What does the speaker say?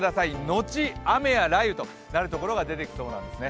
のち、雨や雷雨となるところが出てきそうなんですね。